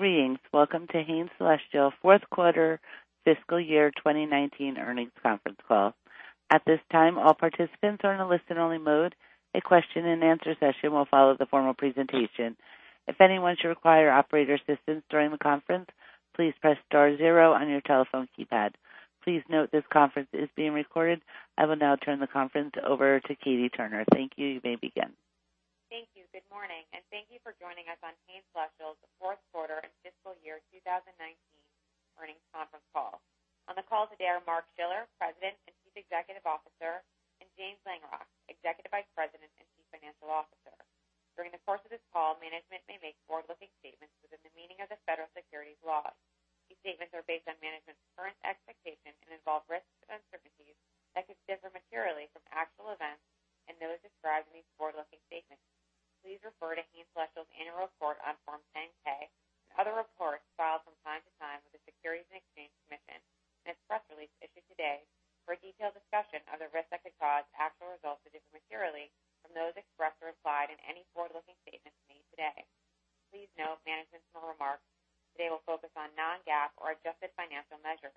Greetings. Welcome to Hain Celestial fourth quarter fiscal year 2019 earnings conference call. At this time, all participants are in a listen-only mode. A question and answer session will follow the formal presentation. If anyone should require operator assistance during the conference, please press star zero on your telephone keypad. Please note this conference is being recorded. I will now turn the conference over to Katie Turner. Thank you. You may begin. Thank you. Good morning, and thank you for joining us on Hain Celestial's fourth quarter and fiscal year 2019 earnings conference call. On the call today are Mark Schiller, President and Chief Executive Officer, and James Langrock, Executive Vice President and Chief Financial Officer. During the course of this call, management may make forward-looking statements within the meaning of the federal securities laws. These statements are based on management's current expectations and involve risks and uncertainties that could differ materially from actual events and those described in these forward-looking statements. Please refer to Hain Celestial's annual report on Form 10-K and other reports filed from time to time with the Securities and Exchange Commission, and its press release issued today for a detailed discussion of the risks that could cause actual results to differ materially from those expressed or implied in any forward-looking statements made today. Please note management's remarks today will focus on non-GAAP or adjusted financial measures.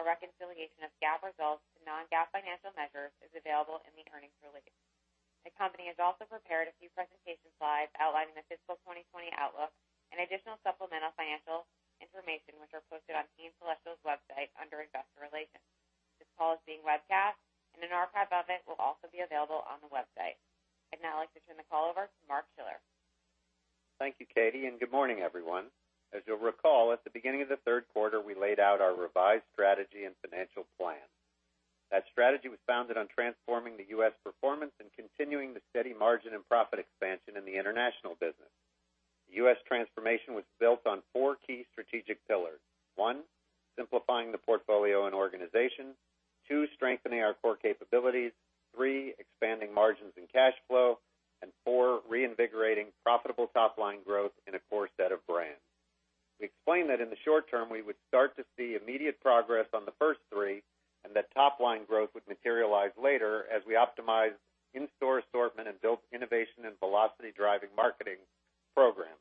A reconciliation of GAAP results to non-GAAP financial measures is available in the earnings release. The company has also prepared a few presentation slides outlining the fiscal 2020 outlook and additional supplemental financial information, which are posted on Hain Celestial's website under Investor Relations. This call is being webcast, and an archive of it will also be available on the website. I'd now like to turn the call over to Mark Schiller. Thank you, Katie. Good morning, everyone. As you'll recall, at the beginning of the third quarter, we laid out our revised strategy and financial plan. That strategy was founded on transforming the U.S. performance and continuing the steady margin and profit expansion in the international business. The U.S. transformation was built on four key strategic pillars. One, simplifying the portfolio and organization. Two, strengthening our core capabilities. Three, expanding margins and cash flow. Four, reinvigorating profitable top-line growth in a core set of brands. We explained that in the short term, we would start to see immediate progress on the first three, and that top-line growth would materialize later as we optimized in-store assortment and built innovation and velocity-driving marketing programs.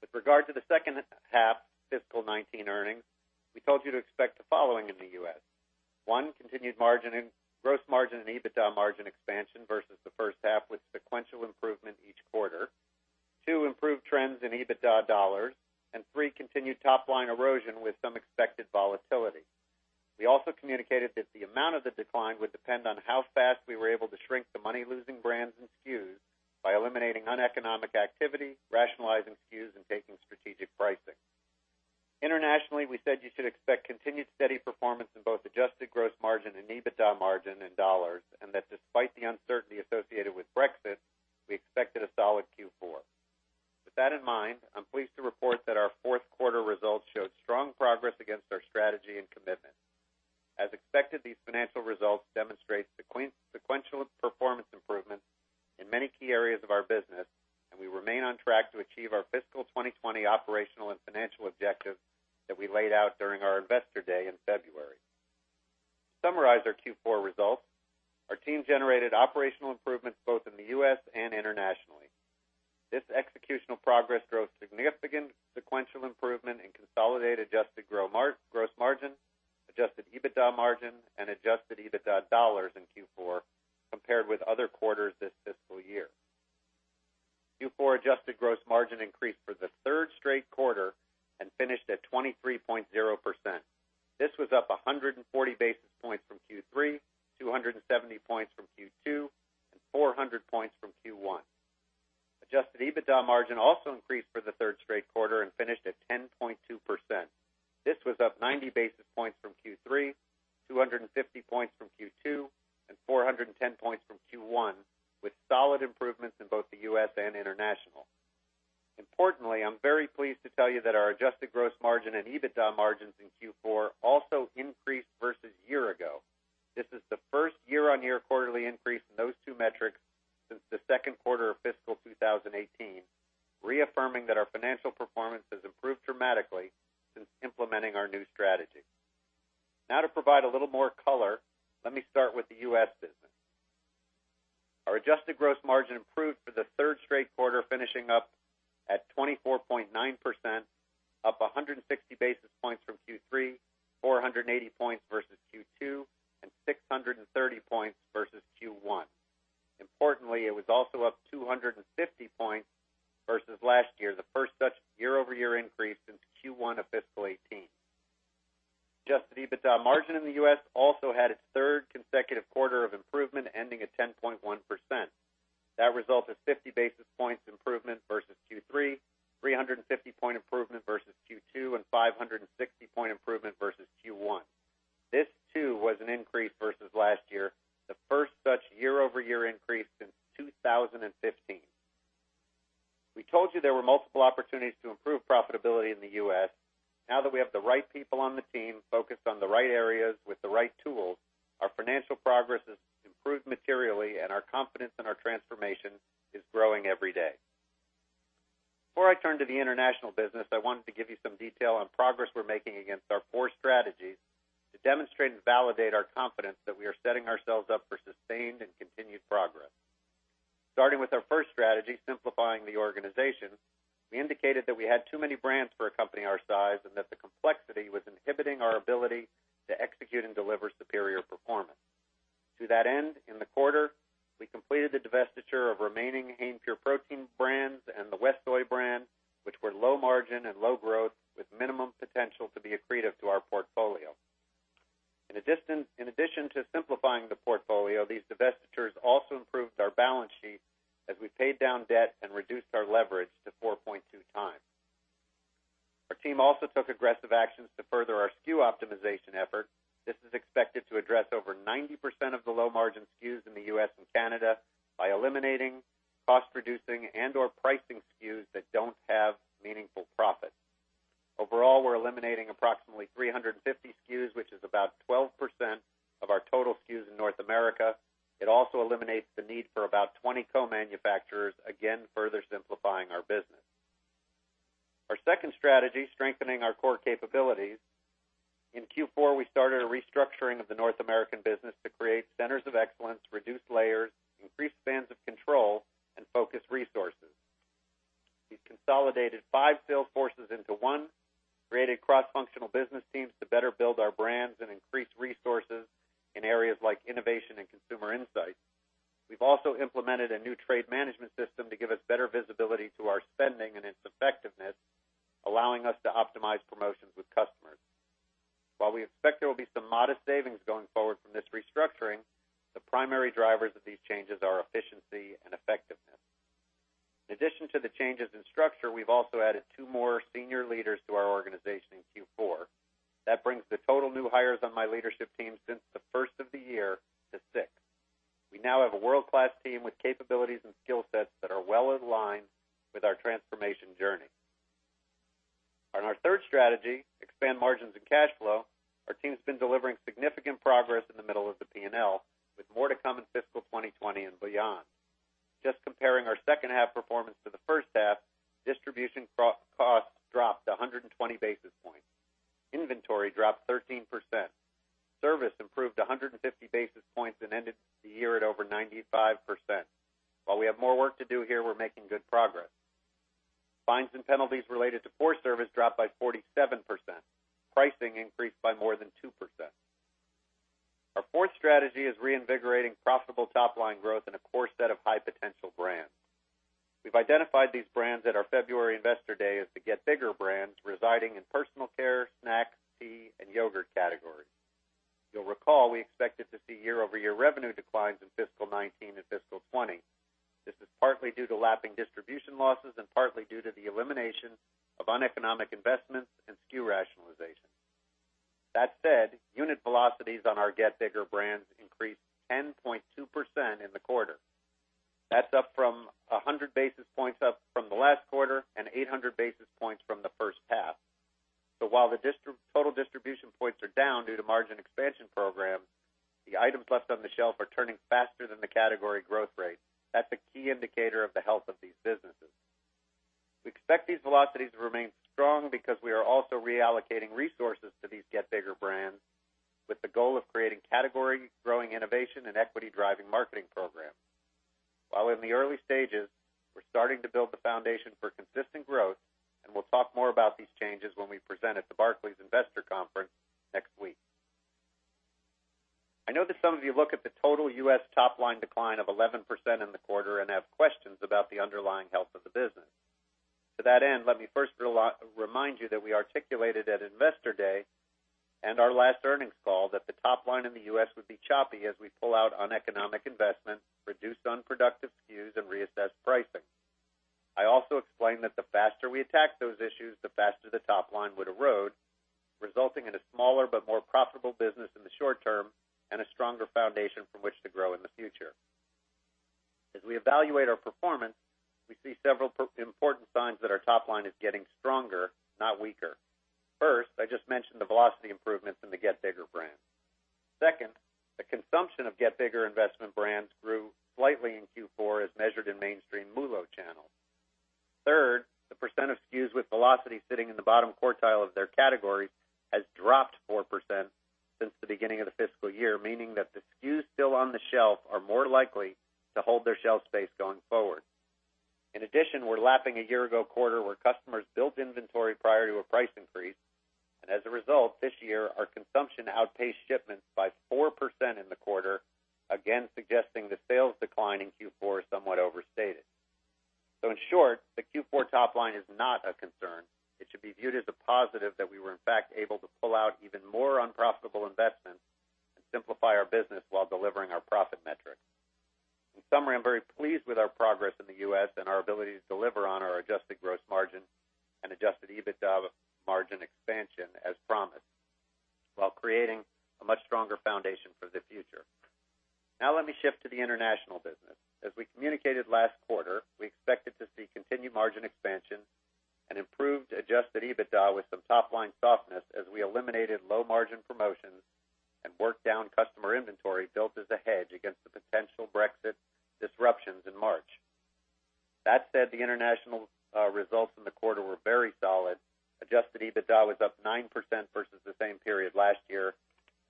With regard to the second half fiscal 2019 earnings, we told you to expect the following in the U.S. One, continued gross margin and EBITDA margin expansion versus the first half, with sequential improvement each quarter. Two, improved trends in EBITDA dollars. Three, continued top-line erosion with some expected volatility. We also communicated that the amount of the decline would depend on how fast we were able to shrink the money-losing brands and SKUs by eliminating uneconomic activity, rationalizing SKUs, and taking strategic pricing. Internationally, we said you should expect continued steady performance in both adjusted gross margin and EBITDA margin in dollars. Despite the uncertainty associated with Brexit, we expected a solid Q4. With that in mind, I'm pleased to report that our fourth quarter results showed strong progress against our strategy and commitment. As expected, these financial results demonstrate sequential performance improvements in many key areas of our business, and we remain on track to achieve our fiscal 2020 operational and financial objectives that we laid out during our Investor Day in February. To summarize our Q4 results, our team generated operational improvements both in the U.S. and internationally. This executional progress drove significant sequential improvement in consolidated adjusted gross margin, adjusted EBITDA margin, and adjusted EBITDA dollars in Q4 compared with other quarters this fiscal year. Q4 adjusted gross margin increased for the third straight quarter and finished at 23.0%. This was up 140 basis points from Q3, 270 points from Q2, and 400 points from Q1. Adjusted EBITDA margin also increased for the third straight quarter and finished at 10.2%. This was up 90 basis points from Q3, 250 points from Q2, and 410 points from Q1, with solid improvements in both the U.S. and international. Importantly, I'm very pleased to tell you that our adjusted gross margin and EBITDA margins in Q4 also increased versus year ago. This is the first year-on-year quarterly increase in those two metrics since the second quarter of fiscal 2018, reaffirming that our financial performance has improved dramatically since implementing our new strategy. To provide a little more color, let me start with the U.S. business. Our adjusted gross margin improved for the third straight quarter, finishing up at 24.9%, up 160 basis points from Q3, 480 points versus Q2, and 630 points versus Q1. Importantly, it was also up 250 points versus last year, the first such year-over-year increase since Q1 of fiscal 2018. Adjusted EBITDA margin in the U.S. also had its third consecutive quarter of improvement, ending at 10.1%. That result is a 50 basis points improvement versus Q3, 350 point improvement versus Q2, and 560 point improvement versus Q1. This, too, was an increase versus last year, the first such year-over-year increase since 2015. We told you there were multiple opportunities to improve profitability in the U.S. Now that we have the right people on the team focused on the right areas with the right tools, our financial progress has improved materially, and our confidence in our transformation is growing every day. Before I turn to the international business, I wanted to give you some detail on progress we're making against our four strategies to demonstrate and validate our confidence that we are setting ourselves up for sustained and continued progress. Starting with our first strategy, simplifying the organization, we indicated that we had too many brands for a company our size, and that the complexity was inhibiting our ability to execute and deliver superior performance. To that end, in the quarter, we completed the divestiture of remaining Hain Pure Protein brands and the WestSoy brand, which were low margin and low growth with minimum potential to be accretive to our portfolio. In addition to simplifying the portfolio, these divestitures also improved our balance sheet as we paid down debt and reduced our leverage to 4.2 times. Our team also took aggressive actions to further our SKU optimization effort. This is expected to address over 90% of the low-margin SKUs in the U.S. and Canada by eliminating, cost-reducing, and/or pricing SKUs that don't have meaningful profit. Overall, we're eliminating approximately 350 SKUs, which is about 12% of our total SKUs in North America. It also eliminates the need for about 20 co-manufacturers, again, further simplifying our business. Our second strategy, strengthening our core capabilities. In Q4, we started a restructuring of the North American business to create centers of excellence, reduce layers, increase spans of control, and focus resources. We've consolidated five sales forces into one, created cross-functional business teams to better build our brands and increase resources in areas like innovation and consumer insight. We've also implemented a new trade management system to give us better visibility to our spending and its effectiveness, allowing us to optimize promotions with customers. While we expect there will be some modest savings going forward from this restructuring, the primary drivers of these changes are efficiency and effectiveness. In addition to the changes in structure, we've also added two more senior leaders to our organization in Q4. That brings the total new hires on my leadership team since the first of the year to six. We now have a world-class team with capabilities and skill sets that are well aligned with our transformation journey. On our third strategy, expand margins and cash flow, our team's been delivering significant progress in the middle of the P&L, with more to come in fiscal 2020 and beyond. Just comparing our second half performance to the first half, distribution costs dropped 120 basis points. Inventory dropped 13%. Service improved 150 basis points and ended the year at over 95%. While we have more work to do here, we're making good progress. Fines and penalties related to poor service dropped by 47%. Pricing increased by more than 2%. Our fourth strategy is reinvigorating profitable top-line growth in a core set of high-potential brands. We've identified these brands at our February Investor Day as the Get Bigger brands residing in personal care, snacks, tea, and yogurt categories. You'll recall, we expected to see year-over-year revenue declines in fiscal 2019 and fiscal 2020. This is partly due to lapping distribution losses and partly due to the elimination of uneconomic investments and SKU rationalization. That said, unit velocities on our Get Bigger brands increased 10.2% in the quarter. That's up from 100 basis points up from the last quarter and 800 basis points from the first half. While the total distribution points are down due to margin expansion programs, the items left on the shelf are turning faster than the category growth rate. That's a key indicator of the health of these businesses. We expect these velocities to remain strong because we are also reallocating resources to these Get Bigger brands with the goal of creating category-growing innovation and equity-driving marketing programs. While in the early stages, we're starting to build the foundation for consistent growth, and we'll talk more about these changes when we present at the Barclays Investor Conference next week. I know that some of you look at the total U.S. top-line decline of 11% in the quarter and have questions about the underlying health of the business. To that end, let me first remind you that we articulated at Investor Day and our last earnings call that the top line in the U.S. would be choppy as we pull out uneconomic investments, reduce unproductive SKUs, and reassess pricing. I also explained that the faster we attacked those issues, the faster the top line would erode, resulting in a smaller but more profitable business in the short term and a stronger foundation from which to grow in the future. As we evaluate our performance, we see several important signs that our top line is getting stronger, not weaker. First, I just mentioned the velocity improvements in the Get Bigger brands. Second, the consumption of Get Bigger investment brands grew slightly in Q4 as measured in mainstream MULO channels. Third, the percent of SKUs with velocity sitting in the bottom quartile of their category has dropped 4% since the beginning of the fiscal year, meaning that the SKUs still on the shelf are more likely to hold their shelf space going forward. In addition, we're lapping a year-ago quarter where customers built inventory prior to a price increase, and as a result, this year, our consumption outpaced shipments by 4% in the quarter, again suggesting the sales decline in Q4 is somewhat overstated. In short, the Q4 top line is not a concern. It should be viewed as a positive that we were in fact able to pull out even more unprofitable investments and simplify our business while delivering our profit metrics. In summary, I'm very pleased with our progress in the U.S. and our ability to deliver on our adjusted gross margin and adjusted EBITDA margin expansion as promised, while creating a much stronger foundation for the future. Let me shift to the international business. As we communicated last quarter, we expected to see continued margin expansion and improved adjusted EBITDA with some top-line softness as we eliminated low-margin promotions and worked down customer inventory built as a hedge against the potential Brexit disruptions in March. That said, the international results in the quarter were very solid. Adjusted EBITDA was up 9% versus the same period last year,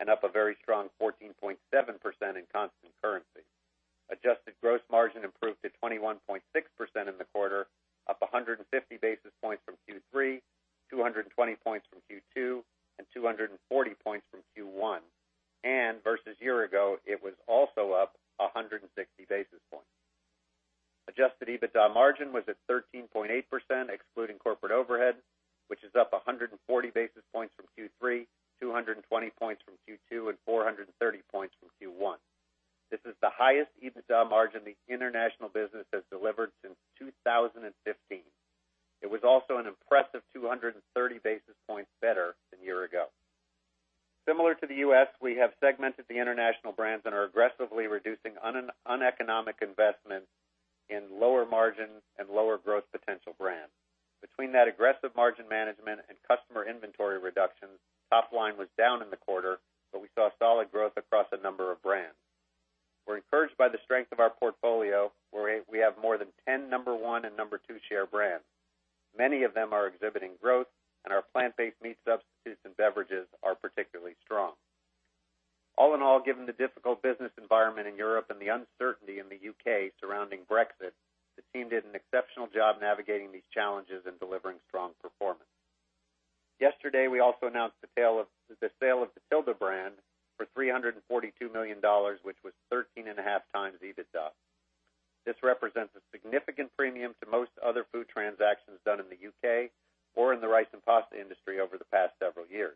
and up a very strong 14.7% in constant currency. Adjusted gross margin improved to 21.6% in the quarter, up 150 basis points from Q3, 220 points from Q2, and 240 points from Q1. Versus year ago, it was also up 160 basis points. Adjusted EBITDA margin was at 13.8%, excluding corporate overhead, which is up 140 basis points from Q3, 220 points from Q2, and 430 points from Q1. This is the highest EBITDA margin the international business has delivered since 2015. It was also an impressive 230 basis points better than a year ago. Similar to the U.S., we have segmented the international brands and are aggressively reducing uneconomic investments in lower margin and lower growth potential brands. Between that aggressive margin management and customer inventory reductions, top line was down in the quarter, but we saw solid growth across a number of brands. We're encouraged by the strength of our portfolio, where we have more than 10 number one and number two share brands. Many of them are exhibiting growth, and our plant-based meat substitutes and beverages are particularly strong. All in all, given the difficult business environment in Europe and the uncertainty in the U.K. surrounding Brexit, the team did an exceptional job navigating these challenges and delivering strong performance. Yesterday, we also announced the sale of the Tilda brand for $342 million, which was 13.5x EBITDA. This represents a significant premium to most other food transactions done in the U.K. or in the rice and pasta industry over the past several years.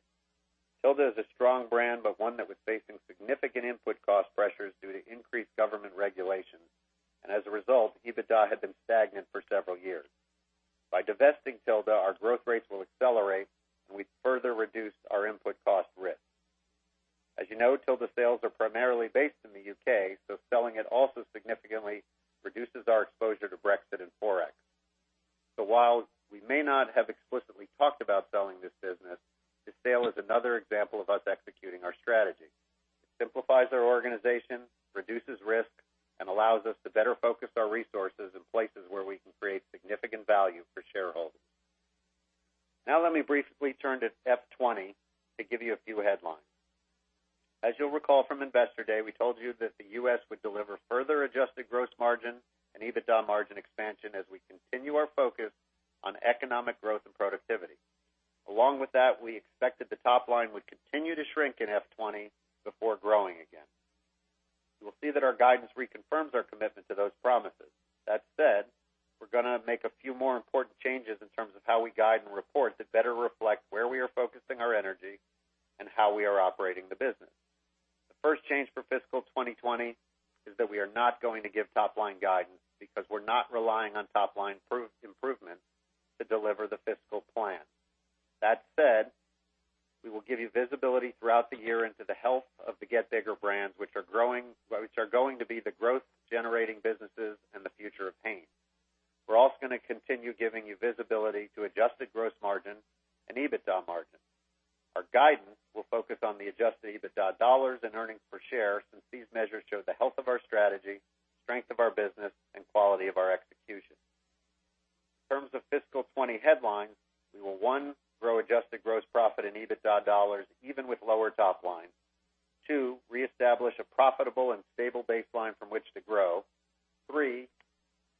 Tilda is a strong brand, but one that was facing significant input cost pressures due to increased government regulations, and as a result EBITDA had been stagnant for several years. By divesting Tilda, our growth rates will accelerate, and we further reduce our input cost risk. As you know, Tilda sales are primarily based in the U.K., selling it also significantly reduces our exposure to Brexit and Forex. While we may not have explicitly talked about selling this business, this sale is another example of us executing our strategy. It simplifies our organization, reduces risk, and allows us to better focus our resources in places where we can create significant value for shareholders. Now let me briefly turn to FY 2020 to give you a few headlines. As you'll recall from Investor Day, we told you that the U.S. would deliver further adjusted gross margin and EBITDA margin expansion as we continue our focus on economic growth and productivity. Along with that, we expected the top line would continue to shrink in FY 2020 before growing again. You will see that our guidance reconfirms our commitment to those promises. That said, we're going to make a few more important changes in terms of how we guide and report to better reflect where we are focusing our energy and how we are operating the business. The first change for fiscal 2020 is that we are not going to give top-line guidance because we're not relying on top-line improvements to deliver the fiscal plan. That said, we will give you visibility throughout the year into the health of the Get Bigger brands, which are going to be the growth-generating businesses and the future of Hain. We're also going to continue giving you visibility to adjusted gross margin and EBITDA margin. Our guidance will focus on the adjusted EBITDA dollars and earnings per share, since these measures show the health of our strategy, strength of our business, and quality of our execution. In terms of fiscal 2020 headlines, we will, one, grow adjusted gross profit and EBITDA dollars even with lower top-line. Two, reestablish a profitable and stable baseline from which to grow. Three,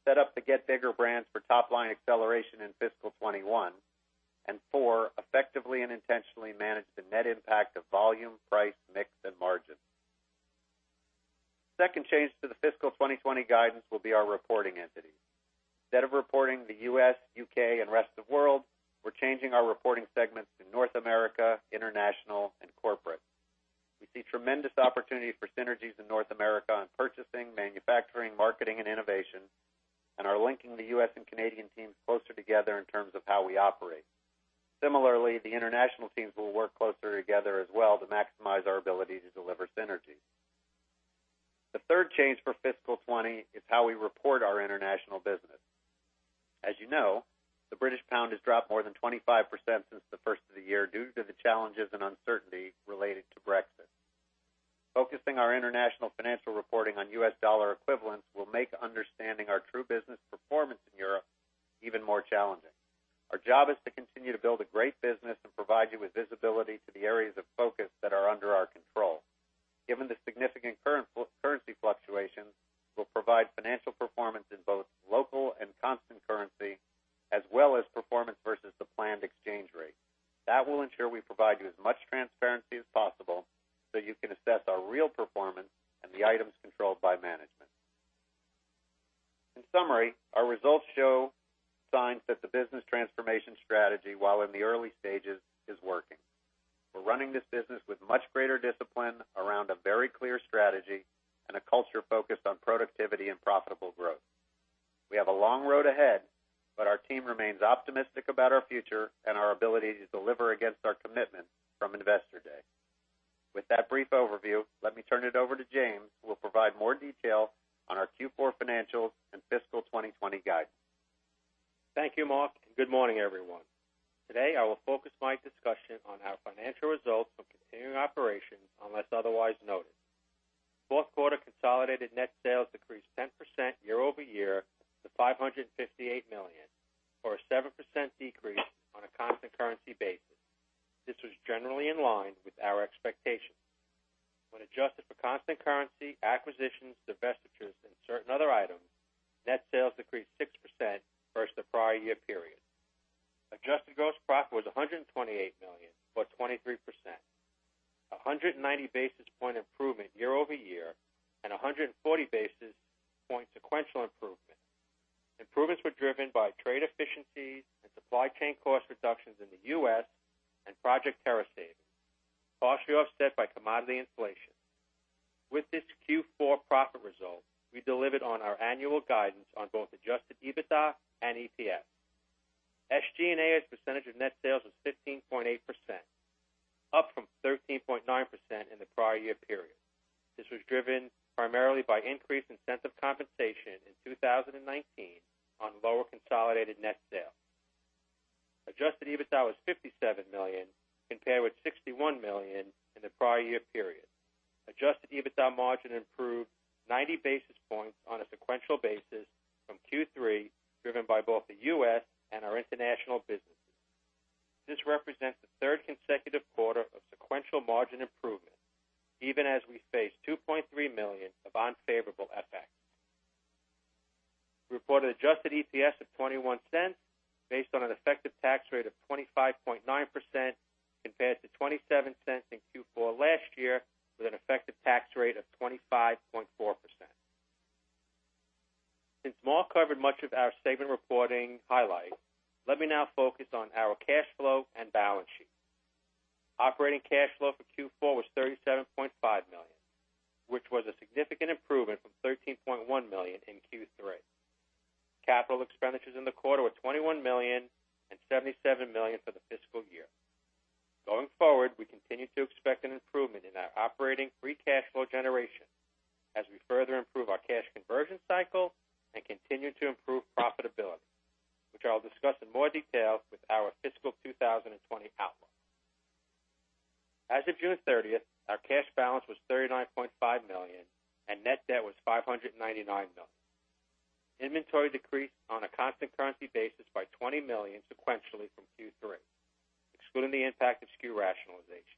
set up the Get Bigger brands for top-line acceleration in fiscal 2021. Four, effectively and intentionally manage the net impact of volume, price, mix, and margin. Second change to the fiscal 2020 guidance will be our reporting entity. Instead of reporting the U.S., U.K., and rest of world, we're changing our reporting segments to North America, international, and corporate. We see tremendous opportunity for synergies in North America on purchasing, manufacturing, marketing, and innovation, and are linking the U.S. and Canadian teams closer together in terms of how we operate. Similarly, the international teams will work closer together as well to maximize our ability to deliver synergy. The third change for fiscal 20 is how we report our international business. As you know, the British pound has dropped more than 25% since the first of the year due to the challenges and uncertainty related to Brexit. Focusing our international financial reporting on US dollar equivalents will make understanding our true business performance in Europe even more challenging. Our job is to continue to build a great business and provide you with visibility to the areas of focus that are under our control. Given the significant currency fluctuations, we'll provide financial performance in both local and constant currency, as well as performance versus the planned exchange rate. That will ensure we provide you as much transparency as possible so you can assess our real performance and the items controlled by management. In summary, our results show signs that the business transformation strategy, while in the early stages, is working. We're running this business with much greater discipline around a very clear strategy and a culture focused on productivity and profitable growth. Our team remains optimistic about our future and our ability to deliver against our commitment from Investor Day. With that brief overview, let me turn it over to James, who will provide more detail on our Q4 financials and fiscal 2020 guidance. Thank you, Mark, and good morning, everyone. Today, I will focus my discussion on our financial results from continuing operations, unless otherwise noted. Fourth quarter consolidated net sales decreased 10% year-over-year to $558 million, or a 7% decrease on a constant currency basis. This was generally in line with our expectations. When adjusted for constant currency, acquisitions, divestitures, and certain other items, net sales decreased 6% versus the prior year period. Adjusted gross profit was $128 million, or 23%, 190 basis point improvement year-over-year and 140 basis point sequential improvement. Improvements were driven by trade efficiencies and supply chain cost reductions in the U.S. and Project Terra savings, partially offset by commodity inflation. With this Q4 profit result, we delivered on our annual guidance on both adjusted EBITDA and EPS. SG&A as a percentage of net sales was 15.8%, up from 13.9% in the prior year period. This was driven primarily by increased incentive compensation in 2019 on lower consolidated net sales. Adjusted EBITDA was $57 million, compared with $61 million in the prior year period. Adjusted EBITDA margin improved 90 basis points on a sequential basis from Q3, driven by both the U.S. and our international businesses. This represents the third consecutive quarter of sequential margin improvement, even as we face $2.3 million of unfavorable FX. We reported adjusted EPS of $0.21 based on an effective tax rate of 25.9%, compared to $0.27 in Q4 last year with an effective tax rate of 25.4%. Since Mark covered much of our statement reporting highlights, let me now focus on our cash flow and balance sheet. Operating cash flow for Q4 was $37.5 million, which was a significant improvement from $13.1 million in Q3. Capital expenditures in the quarter were $21 million and $77 million for the fiscal year. Going forward, we continue to expect an improvement in our operating free cash flow generation as we further improve our cash conversion cycle and continue to improve profitability, which I'll discuss in more detail with our fiscal 2020 outlook. As of June 30th, our cash balance was $39.5 million, and net debt was $599 million. Inventory decreased on a constant currency basis by $20 million sequentially from Q3, excluding the impact of SKU rationalization.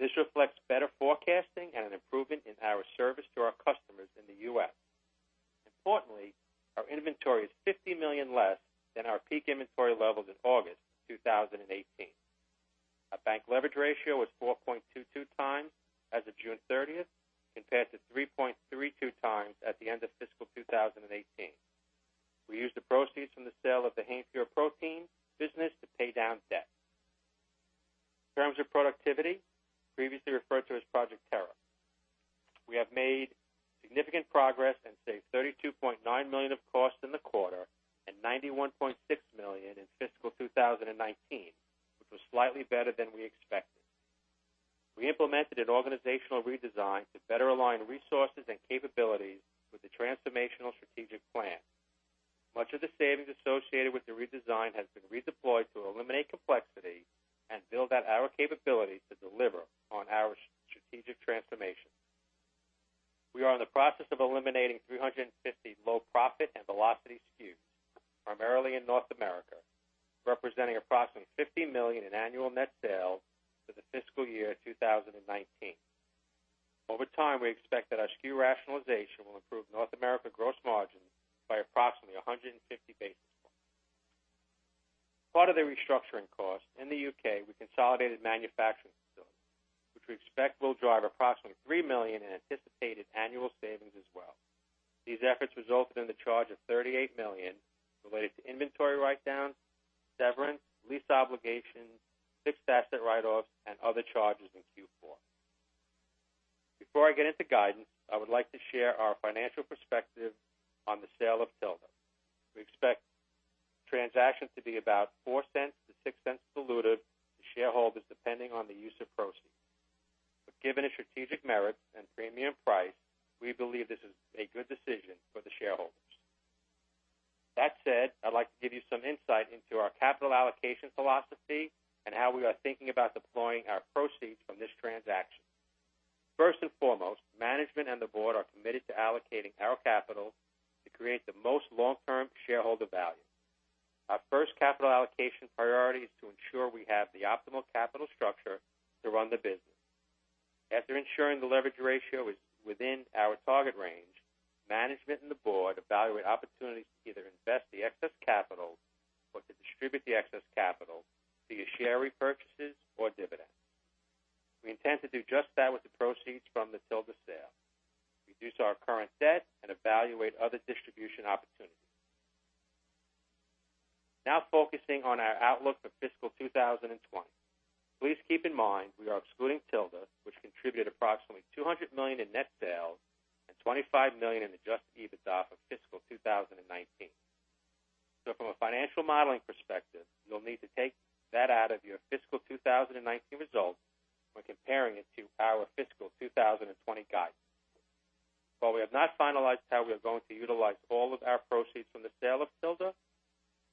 This reflects better forecasting and an improvement in our service to our customers in the U.S. Importantly, our inventory is $50 million less than our peak inventory levels in August 2018. Our bank leverage ratio was 4.22 times as of June 30th, compared to 3.32 times at the end of fiscal 2018. We used the proceeds from the sale of the Hain Pure Protein business to pay down debt. In terms of productivity, previously referred to as Project Terra, we have made significant progress and saved $32.9 million of costs in the quarter and $91.6 million in fiscal 2019, which was slightly better than we expected. We implemented an organizational redesign to better align resources and capabilities with the transformational strategic plan. Much of the savings associated with the redesign has been redeployed to eliminate complexity and build out our capability to deliver on our strategic transformation. We are in the process of eliminating 350 low profit and velocity SKUs, primarily in North America, representing approximately $50 million in annual net sales for the fiscal year 2019. Over time, we expect that our SKU rationalization will improve North America gross margin by approximately 150 basis points. Part of the restructuring cost in the U.K., we consolidated manufacturing facilities, which we expect will drive approximately $3 million in anticipated annual savings as well. These efforts resulted in the charge of $38 million related to inventory write-down, severance, lease obligations, fixed asset write-offs, and other charges in Q4. Before I get into guidance, I would like to share our financial perspective on the sale of Tilda. We expect the transaction to be about $0.04-$0.06 dilutive to shareholders depending on the use of proceeds. Given the strategic merit and premium price, we believe this is a good decision for the shareholders. That said, I'd like to give you some insight into our capital allocation philosophy and how we are thinking about deploying our proceeds from this transaction. First and foremost, management and the board are committed to allocating our capital to create the most long-term shareholder value. Our first capital allocation priority is to ensure we have the optimal capital structure to run the business. After ensuring the leverage ratio is within our target range, management and the board evaluate opportunities to either invest the excess capital or to distribute the excess capital via share repurchases or dividends. We intend to do just that with the proceeds from the Tilda sale, reduce our current debt and evaluate other distribution opportunities. Now focusing on our outlook for fiscal 2020. Please keep in mind, we are excluding Tilda, which contributed approximately $200 million in net sales and $25 million in adjusted EBITDA for fiscal 2019. From a financial modeling perspective, you'll need to take that out of your fiscal 2019 results when comparing it to our fiscal 2020 guidance. While we have not finalized how we are going to utilize all of our proceeds from the sale of Tilda,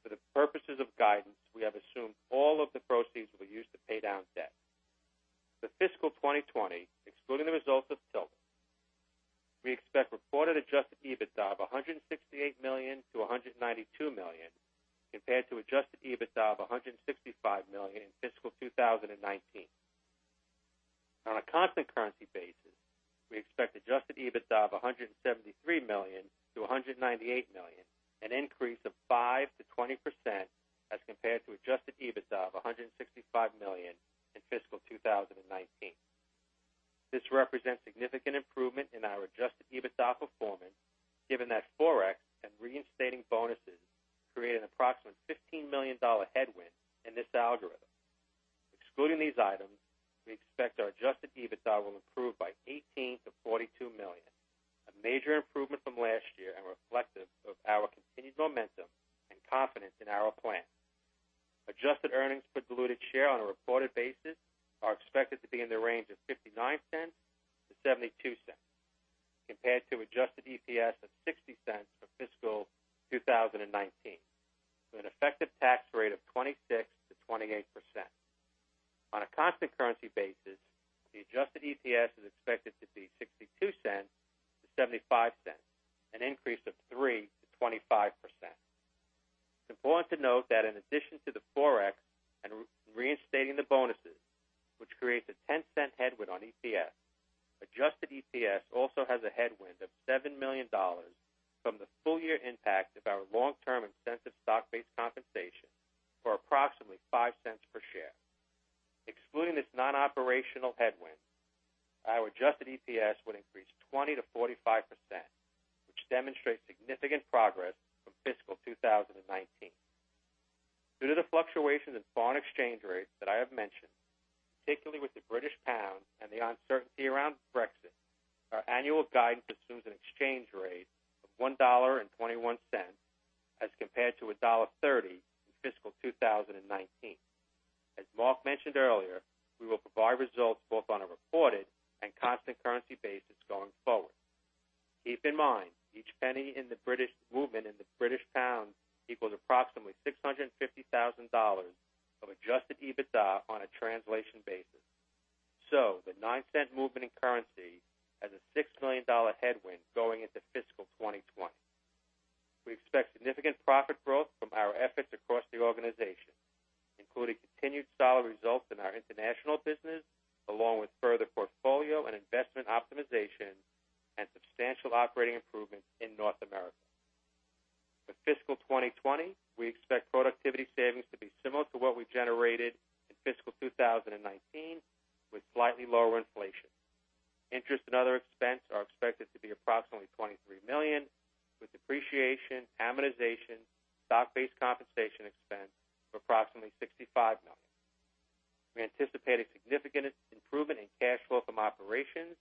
for the purposes of guidance, we have assumed all of the proceeds will be used to pay down debt. For fiscal 2020, excluding the results of Tilda, we expect reported adjusted EBITDA of $168 million to $192 million compared to adjusted EBITDA of $165 million in fiscal 2019. On a constant currency basis, we expect adjusted EBITDA of $173 million to $198 million, an increase of 5%-20% as compared to adjusted EBITDA of $165 million in fiscal 2019. This represents significant improvement in our adjusted EBITDA performance given that Forex and reinstating bonuses create an approximate $15 million headwind in this algorithm. Excluding these items, we expect our adjusted EBITDA will improve by $18 million-$42 million, a major improvement from last year and reflective of our continued momentum and confidence in our plan. Adjusted earnings per diluted share on a reported basis We anticipate a significant improvement in cash flow from operations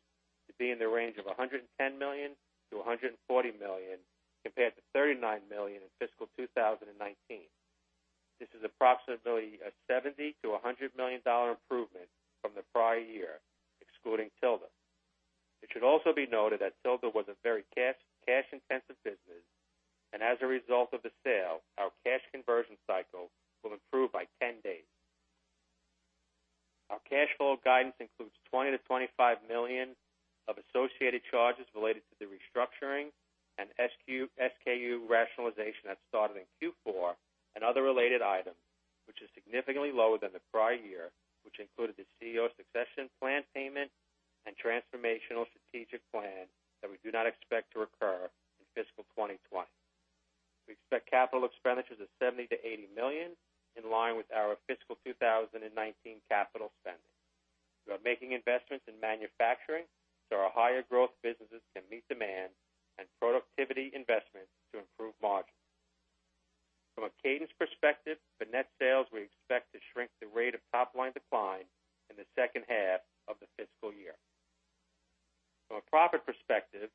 to be in the range of $110 million-$140 million, compared to $39 million in fiscal 2019. This is approximately a $70 million-$100 million improvement from the prior year, excluding Tilda. It should also be noted that Tilda was a very cash-intensive business, and as a result of the sale, our cash conversion cycle will improve by 10 days. Our cash flow guidance includes $20 million-$25 million of associated charges related to the restructuring and SKU rationalization that started in Q4 and other related items, which is significantly lower than the prior year, which included the CEO succession plan payment and transformational strategic plan that we do not expect to recur in fiscal 2020. We expect capital expenditures of $70 million-$80 million in line with our fiscal 2019 capital spending. We are making investments in manufacturing so our higher growth businesses can meet demand and productivity investments to improve margins. From a cadence perspective, for net sales, we expect to shrink the rate of top-line decline in the second half of the fiscal year. From a profit perspective,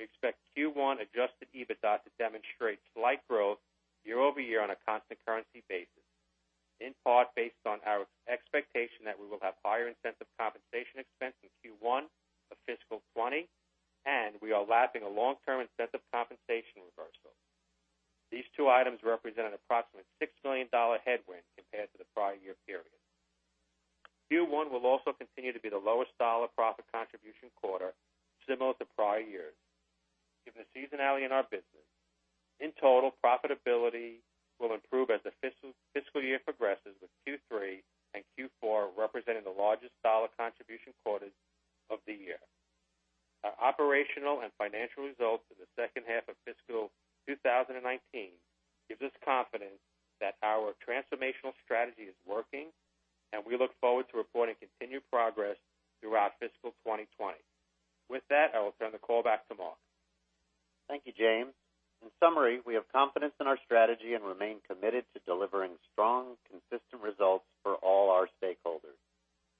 we expect Q1 adjusted EBITDA to demonstrate slight growth year-over-year on a constant currency basis, in part based on our expectation that we will have higher incentive compensation expense in Q1 of fiscal 2020, and we are lapping a long-term incentive compensation reversal. These two items represent an approximate $6 million headwind compared to the prior year period. Q1 will also continue to be the lowest dollar profit contribution quarter similar to prior years given the seasonality in our business. In total, profitability will improve as the fiscal year progresses, with Q3 and Q4 representing the largest dollar contribution quarters of the year. Our operational and financial results for the second half of fiscal 2019 gives us confidence that our transformational strategy is working, and we look forward to reporting continued progress throughout fiscal 2020. With that, I will turn the call back to Mark. Thank you, James. In summary, we have confidence in our strategy and remain committed to delivering strong, consistent results for all our stakeholders.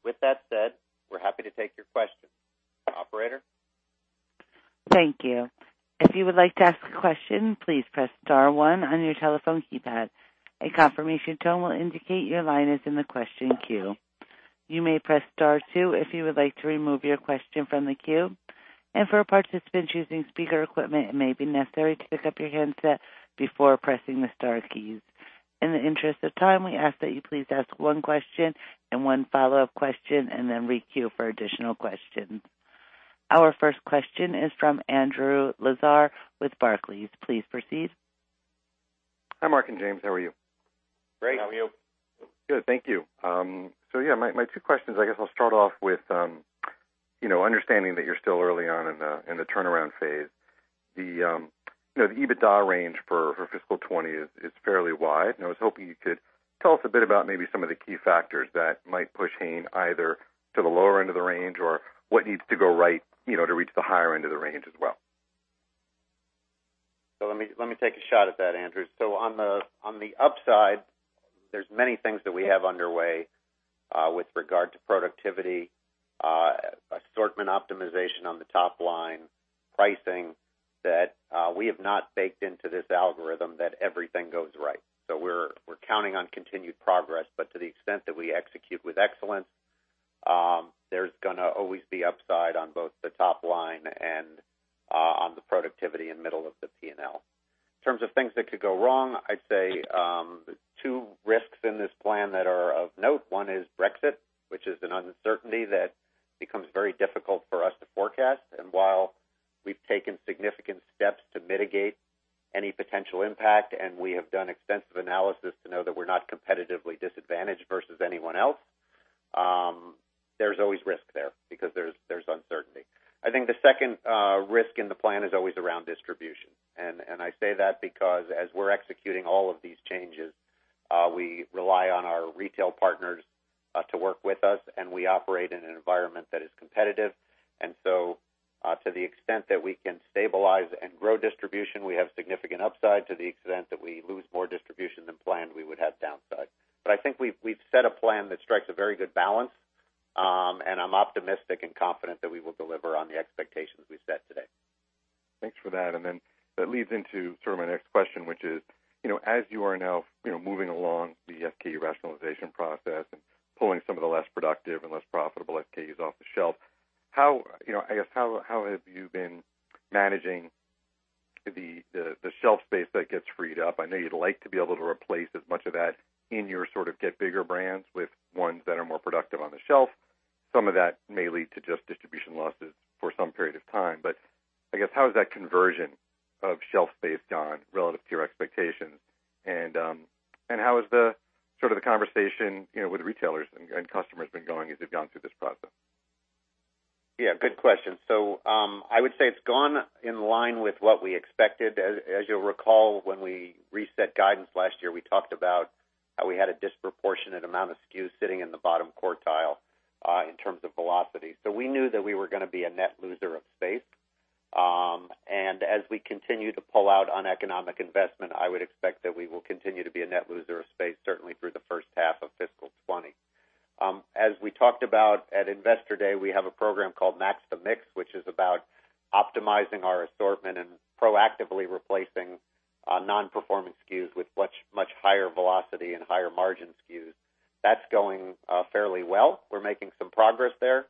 With that said, we're happy to take your questions. Operator? Thank you. If you would like to ask a question, please press star one on your telephone keypad. A confirmation tone will indicate your line is in the question queue. You may press star two if you would like to remove your question from the queue. For participants using speaker equipment, it may be necessary to pick up your handset before pressing the star keys. In the interest of time, we ask that you please ask one question and one follow-up question, and then re-queue for additional questions. Our first question is from Andrew Lazar with Barclays. Please proceed. Hi, Mark and James. How are you? Great. How are you? Good, thank you. Yeah, my two questions, I guess I'll start off with understanding that you're still early on in the turnaround phase. The EBITDA range for FY 2020 is fairly wide, I was hoping you could tell us a bit about maybe some of the key factors that might push Hain either to the lower end of the range or what needs to go right to reach the higher end of the range as well. Let me take a shot at that, Andrew. On the upside, there's many things that we have underway, with regard to productivity, assortment optimization on the top line, pricing, that we have not baked into this algorithm that everything goes right. We're counting on continued progress, but to the extent that we execute with excellence, there's going to always be upside on both the top line and on the productivity in middle of the P&L. In terms of things that could go wrong, I'd say two risks in this plan that are of note. One is Brexit, which is an uncertainty that becomes very difficult for us to forecast. While we've taken significant steps to mitigate any potential impact, and we have done extensive analysis to know that we're not competitively disadvantaged versus anyone else, there's always risk there because there's uncertainty. I think the second risk in the plan is always around distribution. I say that because as we're executing all of these changes, we rely on our retail partners to work with us, and we operate in an environment that is competitive. To the extent that we can stabilize and grow distribution, we have significant upside. To the extent that we lose more distribution than planned, we would have downside. I think we've set a plan that strikes a very good balance, and I'm optimistic and confident that we will deliver on the expectations we've set today. Thanks for that. That leads into my next question, which is, as you are now moving along the SKU rationalization process and pulling some of the less productive and less profitable SKUs off the shelf, how have you been managing the shelf space that gets freed up? I know you'd like to be able to replace as much of that in your Get Bigger brands with ones that are more productive on the shelf. Some of that may lead to just distribution losses for some period of time. How has that conversion of shelf space gone relative to your expectations? How has the conversation with retailers and customers been going as you've gone through this process? Yeah, good question. I would say it's gone in line with what we expected. As you'll recall, when we reset guidance last year, we talked about how we had a disproportionate amount of SKUs sitting in the bottom quartile in terms of velocity. We knew that we were going to be a net loser of space. As we continue to pull out on economic investment, I would expect that we will continue to be a net loser of space, certainly through the first half of fiscal 2020. As we talked about at Investor Day, we have a program called Max the Mix, which is about optimizing our assortment and proactively replacing non-performing SKUs with much higher velocity and higher margin SKUs. That's going fairly well. We're making some progress there.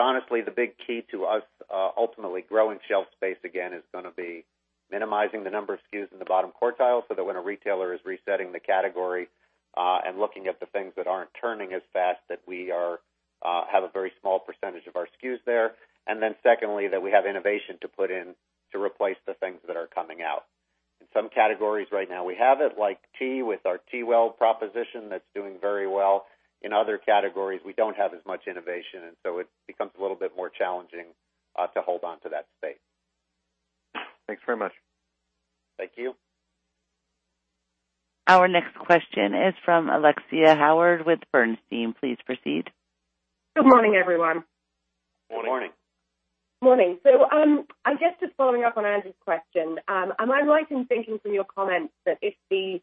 Honestly, the big key to us ultimately growing shelf space again is going to be minimizing the number of SKUs in the bottom quartile, so that when a retailer is resetting the category, and looking at the things that aren't turning as fast, that we have a very small percentage of our SKUs there. Secondly, that we have innovation to put in to replace the things that are coming out. In some categories right now, we have it, like tea with our TeaWell proposition that's doing very well. In other categories, we don't have as much innovation, so it becomes a little bit more challenging to hold onto that space. Thanks very much. Thank you. Our next question is from Alexia Howard with Bernstein. Please proceed. Good morning, everyone. Morning. Morning. Morning. I guess just following up on Andrew's question, am I right in thinking from your comments that if the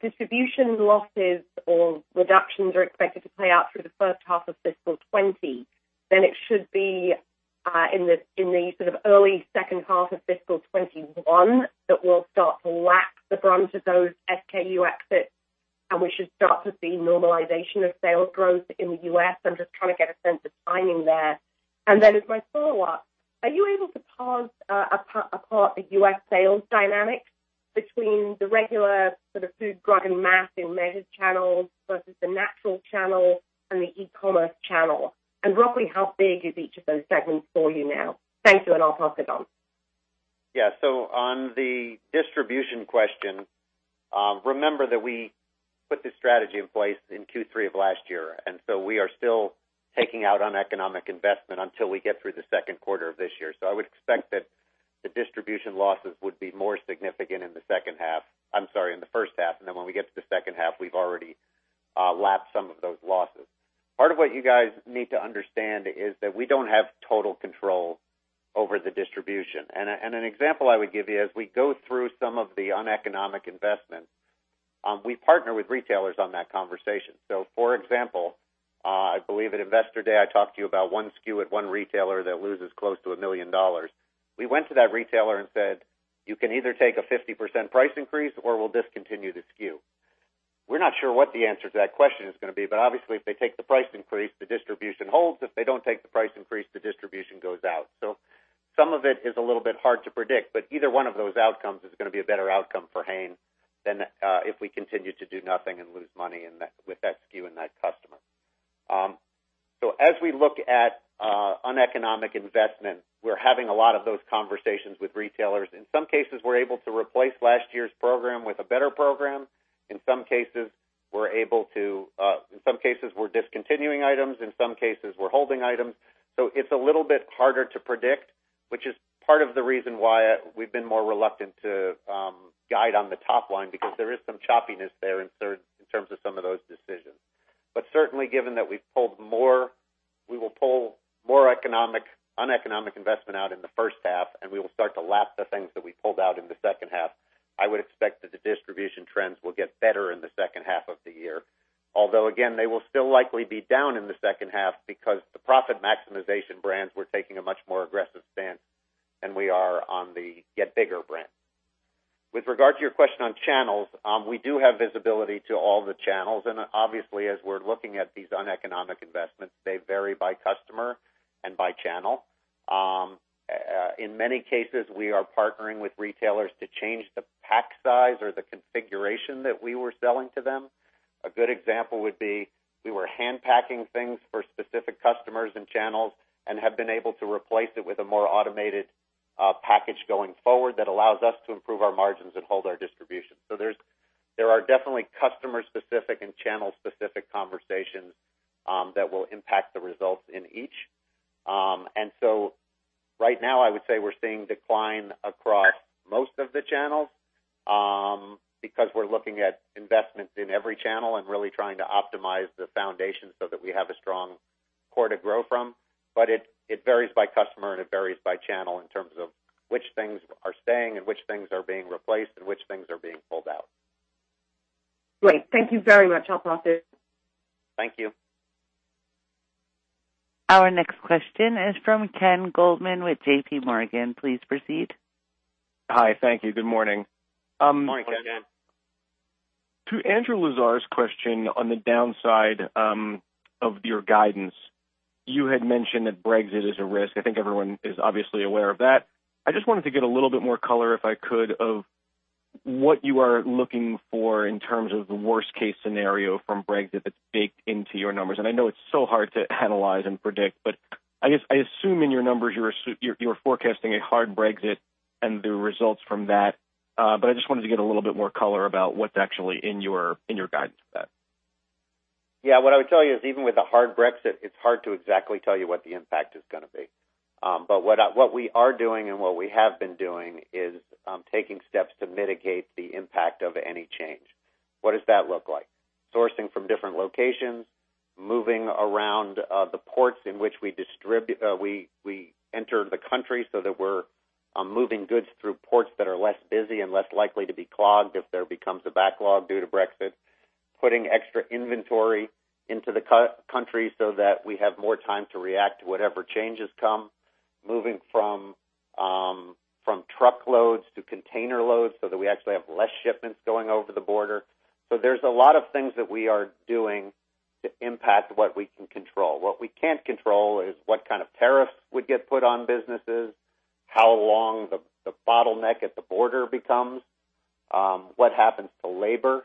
distribution losses or reductions are expected to play out through the first half of fiscal 2020, it should be in the early second half of fiscal 2021 that we'll start to lap the brunt of those SKU exits, and we should start to see normalization of sales growth in the U.S.? I'm just trying to get a sense of timing there. As my follow-up, are you able to parse apart the U.S. sales dynamics between the regular food, drug, and mass in measured channels versus the natural channel and the e-commerce channel? Roughly how big is each of those segments for you now? Thank you, and I'll pass it on. Yeah. On the distribution question, remember that we put this strategy in place in Q3 of last year, and so we are still taking out on economic investment until we get through the second quarter of this year. I would expect that the distribution losses would be more significant in the first half, and then when we get to the second half, we've already lapped some of those losses. Part of what you guys need to understand is that we don't have total control over the distribution. An example I would give you, as we go through some of the uneconomic investment, we partner with retailers on that conversation. For example, I believe at Investor Day, I talked to you about one SKU at one retailer that loses close to $1 million. We went to that retailer and said. You can either take a 50% price increase or we'll discontinue the SKU. We're not sure what the answer to that question is going to be. Obviously, if they take the price increase, the distribution holds. If they don't take the price increase, the distribution goes out. Some of it is a little bit hard to predict, but either one of those outcomes is going to be a better outcome for Hain than if we continue to do nothing and lose money with that SKU and that customer. As we look at uneconomic investment, we're having a lot of those conversations with retailers. In some cases, we're able to replace last year's program with a better program. In some cases, we're discontinuing items. In some cases, we're holding items. It's a little bit harder to predict, which is part of the reason why we've been more reluctant to guide on the top line, because there is some choppiness there in terms of some of those decisions. Certainly, given that we will pull more uneconomic investment out in the first half, and we will start to lap the things that we pulled out in the second half, I would expect that the distribution trends will get better in the second half of the year. Although, again, they will still likely be down in the second half because the profit maximization brands, we're taking a much more aggressive stance than we are on the Get Bigger brand. With regard to your question on channels, we do have visibility to all the channels. Obviously, as we're looking at these uneconomic investments, they vary by customer and by channel. In many cases, we are partnering with retailers to change the pack size or the configuration that we were selling to them. A good example would be, we were hand packing things for specific customers and channels and have been able to replace it with a more automated package going forward that allows us to improve our margins and hold our distribution. There are definitely customer-specific and channel-specific conversations that will impact the results in each. Right now, I would say we're seeing decline across most of the channels, because we're looking at investments in every channel and really trying to optimize the foundation so that we have a strong core to grow from. It varies by customer and it varies by channel in terms of which things are staying and which things are being replaced and which things are being pulled out. Great. Thank you very much. I'll pass it. Thank you. Our next question is from Ken Goldman with JPMorgan. Please proceed. Hi. Thank you. Good morning. Morning, Ken. To Andrew Lazar's question on the downside of your guidance, you had mentioned that Brexit is a risk. I think everyone is obviously aware of that. I just wanted to get a little bit more color, if I could, of what you are looking for in terms of the worst-case scenario from Brexit that's baked into your numbers. I know it's so hard to analyze and predict, but I assume in your numbers, you're forecasting a hard Brexit and the results from that. I just wanted to get a little bit more color about what's actually in your guidance with that. Yeah. What I would tell you is, even with a hard Brexit, it's hard to exactly tell you what the impact is going to be. What we are doing and what we have been doing is taking steps to mitigate the impact of any change. What does that look like? Sourcing from different locations, moving around the ports in which we enter the country so that we're moving goods through ports that are less busy and less likely to be clogged if there becomes a backlog due to Brexit, putting extra inventory into the country so that we have more time to react to whatever changes come, moving from truckloads to container loads so that we actually have less shipments going over the border. There's a lot of things that we are doing to impact what we can control. What we can't control is what kind of tariffs would get put on businesses, how long the bottleneck at the border becomes, what happens to labor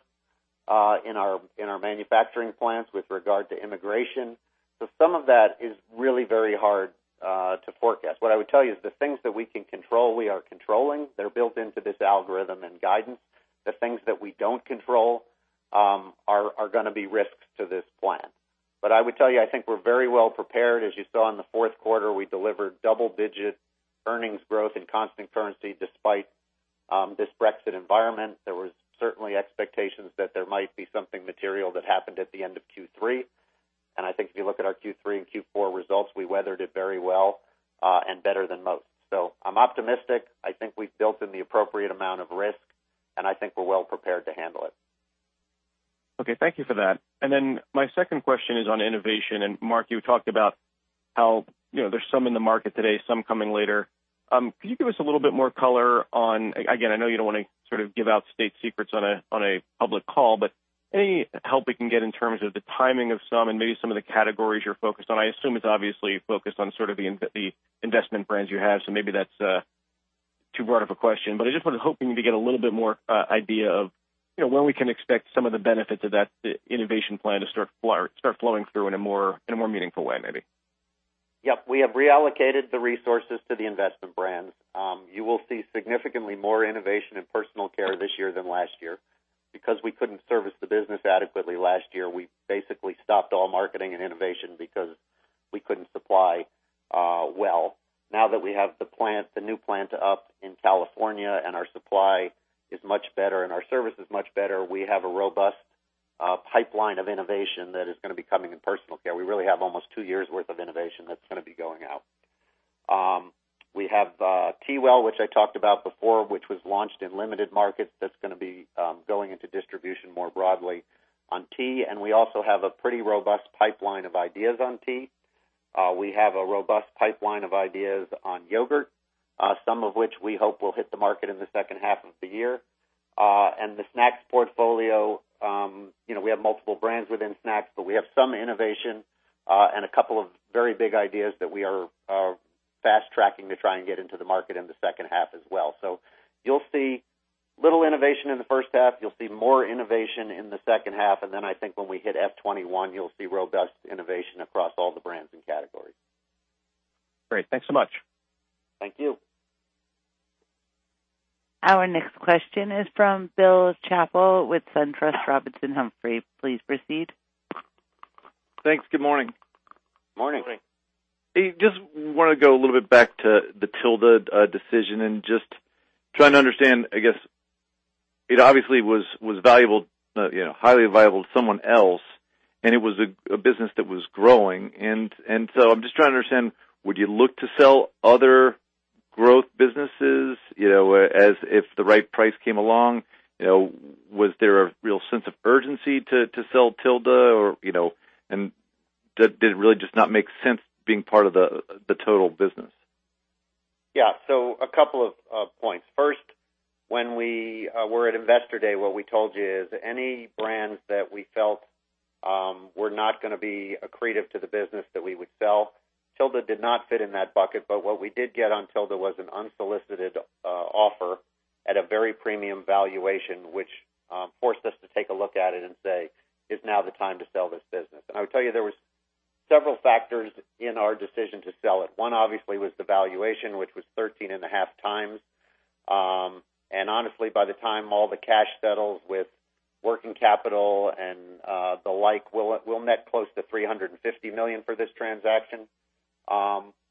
in our manufacturing plants with regard to immigration. Some of that is really very hard to forecast. What I would tell you is the things that we can control, we are controlling. They're built into this algorithm and guidance. The things that we don't control are going to be risks to this plan. I would tell you, I think we're very well prepared. As you saw in the fourth quarter, we delivered double-digit earnings growth in constant currency despite this Brexit environment. There was certainly expectations that there might be something material that happened at the end of Q3. I think if you look at our Q3 and Q4 results, we weathered it very well and better than most. I'm optimistic. I think we've built in the appropriate amount of risk, and I think we're well prepared to handle it. Okay. Thank you for that. Then my second question is on innovation. Mark, you talked about how there's some in the market today, some coming later. Could you give us a little bit more color on, again, I know you don't want to sort of give out state secrets on a public call, but any help we can get in terms of the timing of some, and maybe some of the categories you're focused on? I assume it's obviously focused on sort of the investment brands you have. Maybe that's too broad of a question, but I just was hoping to get a little bit more idea of when we can expect some of the benefits of that innovation plan to start flowing through in a more meaningful way, maybe. Yep. We have reallocated the resources to the investment brands. You will see significantly more innovation in personal care this year than last year. Because we couldn't service the business adequately last year, we basically stopped all marketing and innovation because we couldn't supply well. Now that we have the new plant up in California and our supply is much better and our service is much better, we have a robust pipeline of innovation that is going to be coming in personal care. We really have almost two years' worth of innovation that's going to be going out. We have TeaWell, which I talked about before, which was launched in limited markets. That's going to be going into distribution more broadly on tea. We also have a pretty robust pipeline of ideas on tea. We have a robust pipeline of ideas on yogurt, some of which we hope will hit the market in the second half of the year. The snacks portfolio, we have multiple brands within snacks, but we have some innovation and a couple of very big ideas that we are fast-tracking to try and get into the market in the second half as well. You'll see a little innovation in the first half. You'll see more innovation in the second half. I think when we hit FY 2021, you'll see robust innovation across all the brands and categories. Great. Thanks so much. Thank you. Our next question is from Bill Chappell with SunTrust Robinson Humphrey. Please proceed. Thanks. Good morning. Morning. Just want to go a little bit back to the Tilda decision and just trying to understand, I guess it obviously was highly valuable to someone else, and it was a business that was growing. I'm just trying to understand, would you look to sell other growth businesses, if the right price came along? Was there a real sense of urgency to sell Tilda? Did it really just not make sense being part of the total business? Yeah. A couple of points. First, when we were at Investor Day, what we told you is any brands that we felt were not going to be accretive to the business that we would sell. Tilda did not fit in that bucket. What we did get on Tilda was an unsolicited offer at a very premium valuation, which forced us to take a look at it and say, "Is now the time to sell this business?" I would tell you there was several factors in our decision to sell it. One, obviously, was the valuation, which was 13.5 times. Honestly, by the time all the cash settles with working capital and the like, we'll net close to $350 million for this transaction,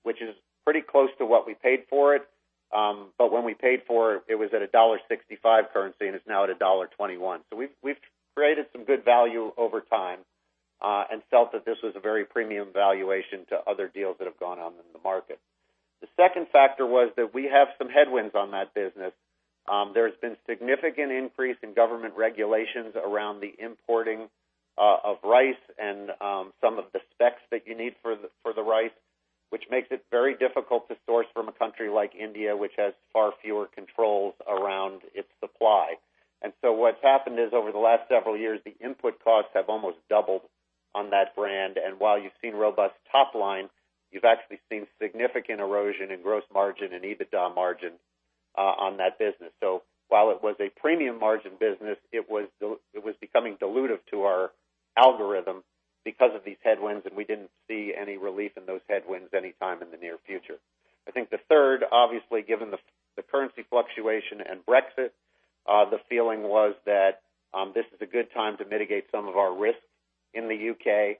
which is pretty close to what we paid for it. When we paid for it was at a $1.65 currency, and it's now at $1.21. We've created some good value over time and felt that this was a very premium valuation to other deals that have gone on in the market. The second factor was that we have some headwinds on that business. There's been significant increase in government regulations around the importing of rice and some of the specs that you need for the rice, which makes it very difficult to source from a country like India, which has far fewer controls around its supply. What's happened is over the last several years, the input costs have almost doubled on that brand. While you've seen robust top line, you've actually seen significant erosion in gross margin and EBITDA margin on that business. While it was a premium margin business, it was becoming dilutive to our algorithm because of these headwinds, and we didn't see any relief in those headwinds anytime in the near future. I think the third, obviously, given the currency fluctuation and Brexit, the feeling was that this is a good time to mitigate some of our risks in the U.K.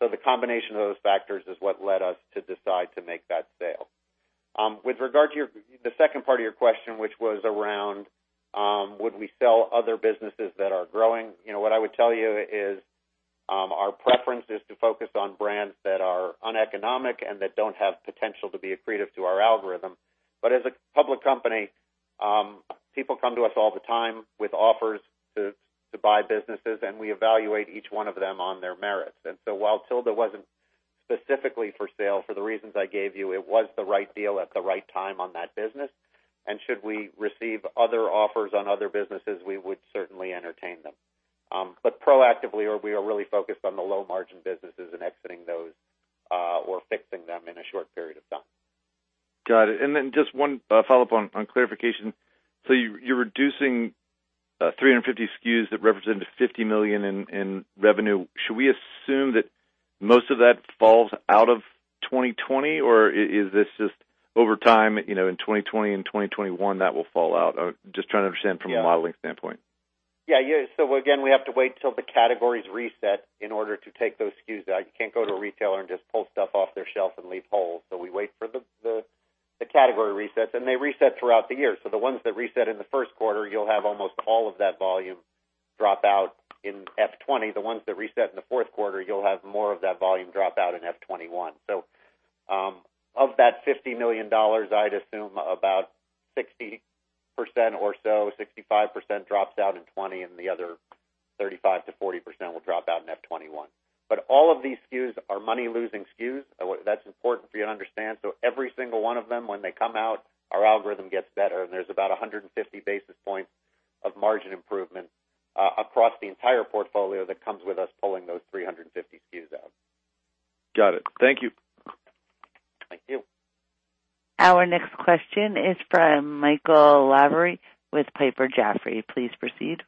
The combination of those factors is what led us to decide to make that sale. With regard to the second part of your question, which was around would we sell other businesses that are growing? What I would tell you is our preference is to focus on brands that are uneconomic and that don't have potential to be accretive to our algorithm. As a public company, people come to us all the time with offers to buy businesses, and we evaluate each one of them on their merits. While Tilda wasn't specifically for sale for the reasons I gave you, it was the right deal at the right time on that business. Should we receive other offers on other businesses, we would certainly entertain them. Proactively, we are really focused on the low margin businesses and exiting those or fixing them in a short period of time. Got it. Just one follow-up on clarification. You're reducing 350 SKUs that represent a $50 million in revenue. Should we assume that most of that falls out of 2020? Is this just over time, in 2020 and 2021, that will fall out? Just trying to understand from a modeling standpoint. Again, we have to wait till the categories reset in order to take those SKUs out. You can't go to a retailer and just pull stuff off their shelf and leave holes. We wait for the category resets, and they reset throughout the year. The ones that reset in the first quarter, you'll have almost all of that volume drop out in FY 2020. The ones that reset in the fourth quarter, you'll have more of that volume drop out in FY 2021. Of that $50 million, I'd assume about 60% or so, 65% drops out in 2020, and the other 35%-40% will drop out in FY 2021. All of these SKUs are money-losing SKUs. That's important for you to understand. Every single one of them, when they come out, our algorithm gets better, and there's about 150 basis points of margin improvement across the entire portfolio that comes with us pulling those 350 SKUs out. Got it. Thank you. Thank you. Our next question is from Michael Lavery with Piper Jaffray. Please proceed.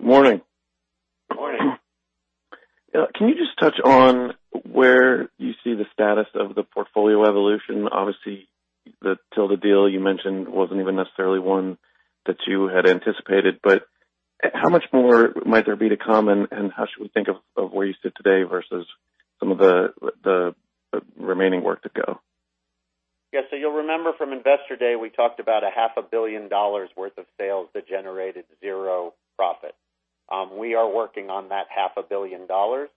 Morning. Morning. Can you just touch on where you see the status of the portfolio evolution? Obviously, the Tilda deal you mentioned wasn't even necessarily one that you had anticipated, but how much more might there be to come, and how should we think of where you sit today versus some of the remaining work to go? Yeah. You'll remember from Investor Day, we talked about a half a billion dollars worth of sales that generated zero profit. We are working on that half a billion dollars.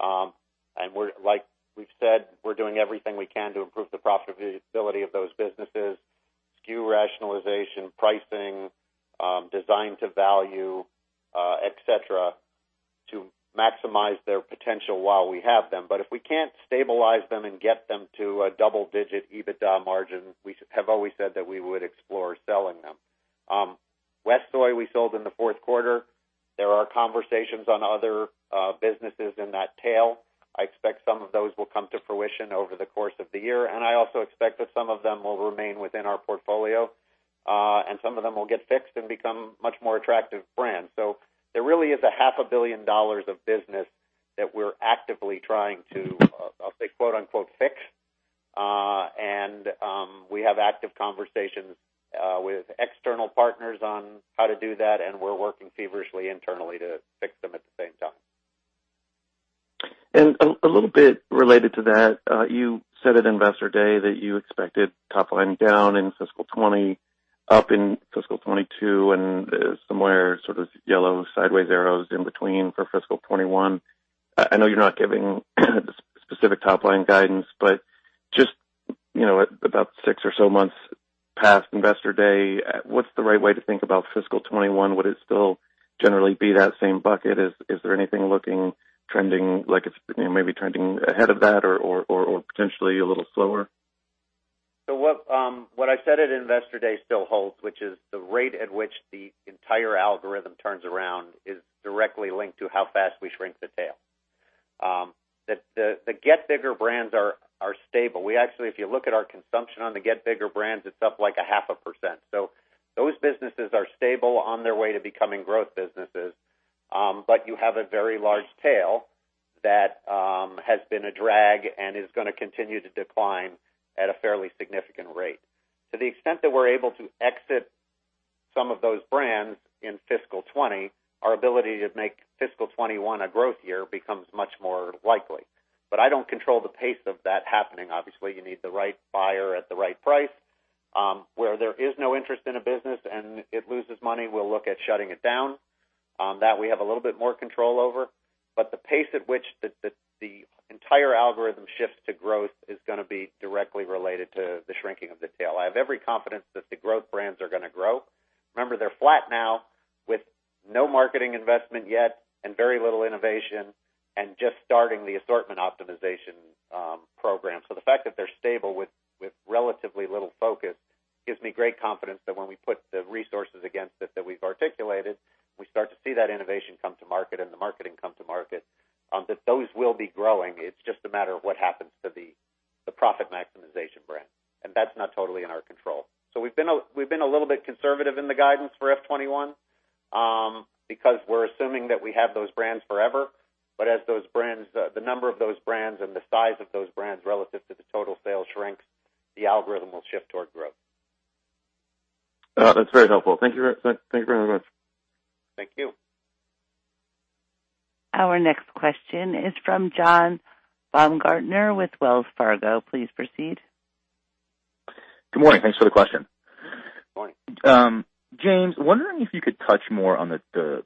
Like we've said, we're doing everything we can to improve the profitability of those businesses, SKU rationalization, pricing, Design-to-Value, et cetera, to maximize their potential while we have them. If we can't stabilize them and get them to a double-digit EBITDA margin, we have always said that we would explore selling them. WestSoy we sold in the fourth quarter. There are conversations on other businesses in that tail. I expect some of those will come to fruition over the course of the year, and I also expect that some of them will remain within our portfolio, and some of them will get fixed and become much more attractive brands. There really is a half a billion dollars of business that we're actively trying to, I'll say, quote-unquote, "fix." We have active conversations with external partners on how to do that, and we're working feverishly internally to fix them at the same time. A little bit related to that, you said at Investor Day that you expected top-line down in fiscal 2020, up in fiscal 2022, and somewhere sort of yellow sideways arrows in between for fiscal 2021. I know you're not giving specific top-line guidance, but just about six or so months past Investor Day, what's the right way to think about fiscal 2021? Would it still generally be that same bucket? Is there anything looking trending like it's maybe trending ahead of that or potentially a little slower? What I said at Investor Day still holds, which is the rate at which the entire algorithm turns around is directly linked to how fast we shrink the tail. The Get Bigger brands are stable. We actually, if you look at our consumption on the Get Bigger brands, it's up like 0.5%. Those businesses are stable on their way to becoming growth businesses. You have a very large tail that has been a drag and is going to continue to decline at a fairly significant rate. To the extent that we're able to exit some of those brands in fiscal 2020, our ability to make fiscal 2021 a growth year becomes much more likely. I don't control the pace of that happening. Obviously, you need the right buyer at the right price. Where there is no interest in a business and it loses money, we'll look at shutting it down. That we have a little bit more control over. The pace at which the entire algorithm shifts to growth is going to be directly related to the shrinking of the tail. I have every confidence that the growth brands are going to grow. Remember, they're flat now with no marketing investment yet and very little innovation and just starting the Max the Mix program. The fact that they're stable with relatively little focus gives me great confidence that when we put the resources against it that we've articulated, we start to see that innovation come to market and the marketing come to market, that those will be growing. It's just a matter of what happens to the profit maximization brand, and that's not totally in our control. We've been a little bit conservative in the guidance for FY 2021, because we're assuming that we have those brands forever. As the number of those brands and the size of those brands relative to the total sales shrinks, the algorithm will shift toward growth. That's very helpful. Thank you very much. Thank you. Our next question is from John Baumgartner with Wells Fargo. Please proceed. Good morning. Thanks for the question. Good morning. James, wondering if you could touch more on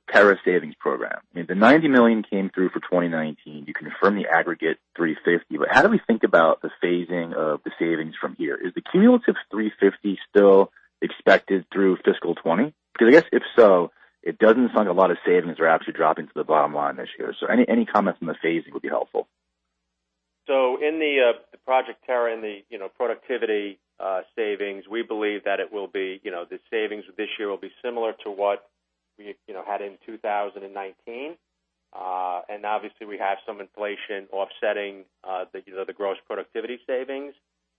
Project Terra. The $90 million came through for 2019. You confirmed the aggregate $350 million. How do we think about the phasing of the savings from here? Is the cumulative $350 million still expected through fiscal 2020? I guess if so, it doesn't sound a lot of savings are actually dropping to the bottom line this year. Any comments on the phasing would be helpful. In the Project Terra, in the productivity savings, we believe that the savings this year will be similar to what we had in 2019. Obviously, we have some inflation offsetting the gross productivity savings.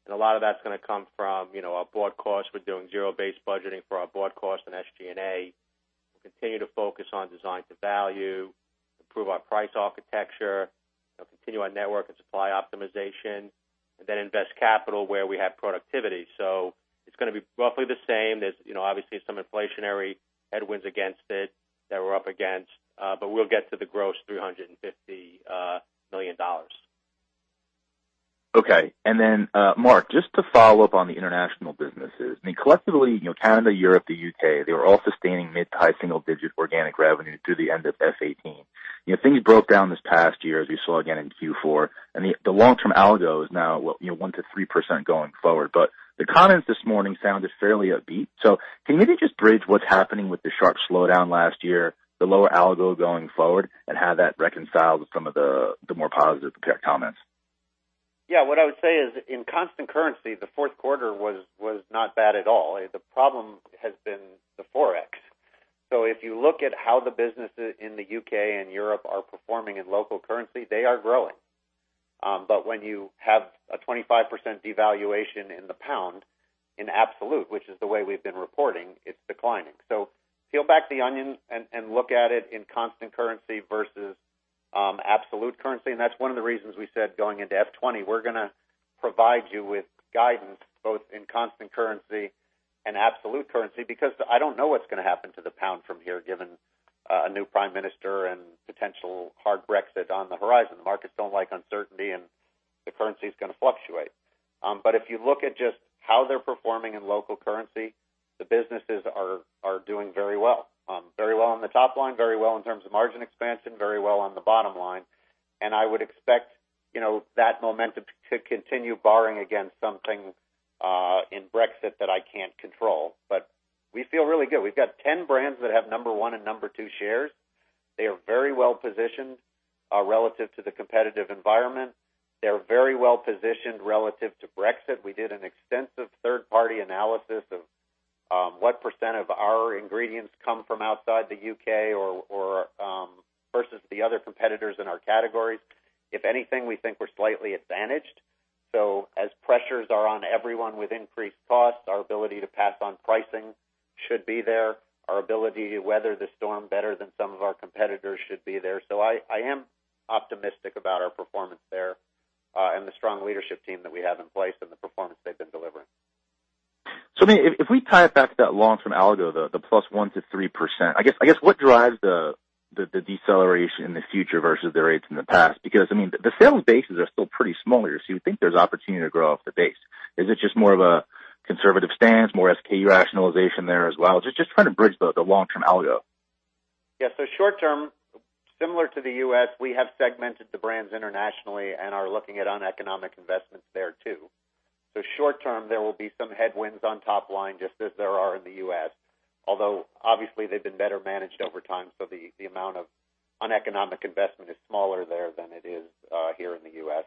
A lot of that's going to come from our broad costs. We're doing zero-based budgeting for our broad costs and SG&A. We'll continue to focus on Design-to-Value, improve our price architecture, continue our network and supply optimization, and then invest capital where we have productivity. It's going to be roughly the same. There's obviously some inflationary headwinds against it that we're up against. We'll get to the gross $350 million. Okay. Mark, just to follow up on the international businesses, collectively, Canada, Europe, the U.K., they were all sustaining mid to high single-digit organic revenue through the end of FY 2018. Things broke down this past year, as we saw again in Q4. The long-term algo is now 1% to 3% going forward. The comments this morning sounded fairly upbeat. Can you maybe just bridge what's happening with the sharp slowdown last year, the lower algo going forward, and how that reconciles with some of the more positive comments? What I would say is in constant currency, the fourth quarter was not bad at all. The problem has been the Forex. If you look at how the businesses in the U.K. and Europe are performing in local currency, they are growing. When you have a 25% devaluation in the GBP in absolute, which is the way we've been reporting, it's declining. Peel back the onion and look at it in constant currency versus absolute currency. That's one of the reasons we said going into FY 2020, we're going to provide you with guidance both in constant currency and absolute currency, because I don't know what's going to happen to the GBP from here, given a new prime minister and potential hard Brexit on the horizon. Markets don't like uncertainty, and the currency is going to fluctuate. If you look at just how they're performing in local currency. The businesses are doing very well. Very well on the top line, very well in terms of margin expansion, very well on the bottom line. I would expect that momentum to continue barring against something in Brexit that I can't control. We feel really good. We've got 10 brands that have number 1 and number 2 shares. They are very well-positioned relative to the competitive environment. They're very well-positioned relative to Brexit. We did an extensive third-party analysis of what % of our ingredients come from outside the U.K. versus the other competitors in our categories. If anything, we think we're slightly advantaged. As pressures are on everyone with increased costs, our ability to pass on pricing should be there. Our ability to weather the storm better than some of our competitors should be there. I am optimistic about our performance there, and the strong leadership team that we have in place and the performance they've been delivering. I mean, if we tie it back to that long-term algo, the +1% to 3%, I guess what drives the deceleration in the future versus the rates in the past? I mean, the sales bases are still pretty small here, so you would think there's opportunity to grow off the base. Is it just more of a conservative stance, more SKU rationalization there as well? Just trying to bridge the long-term algo. Short-term, similar to the U.S., we have segmented the brands internationally and are looking at uneconomic investments there too. Short-term, there will be some headwinds on top line, just as there are in the U.S., although obviously they've been better managed over time, so the amount of uneconomic investment is smaller there than it is here in the U.S.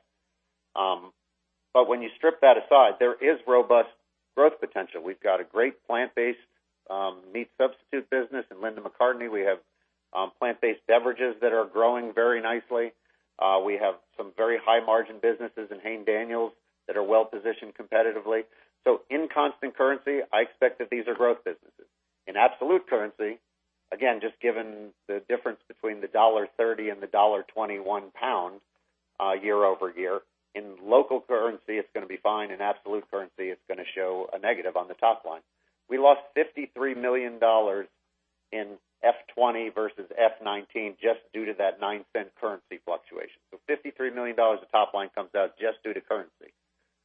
When you strip that aside, there is robust growth potential. We've got a great plant-based meat substitute business in Linda McCartney Foods. We have plant-based beverages that are growing very nicely. We have some very high-margin businesses in Hain Daniels Group that are well-positioned competitively. In constant currency, I expect that these are growth businesses. In absolute currency, again, just given the difference between the $1.30 and the $1.21 pound year-over-year, in local currency, it's going to be fine. In absolute currency, it's going to show a negative on the top line. We lost $53 million in FY 2020 versus FY 2019 just due to that $0.09 currency fluctuation. $53 million of top line comes out just due to currency.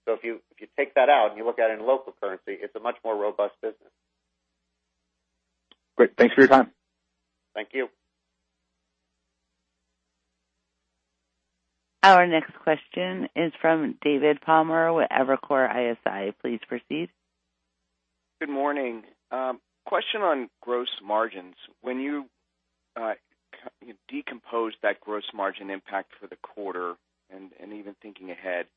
If you take that out and you look at it in local currency, it's a much more robust business. Great. Thanks for your time. Thank you. Our next question is from David Palmer with Evercore ISI. Please proceed. Good morning. Question on gross margins. When you decompose that gross margin impact for the quarter, and even thinking ahead,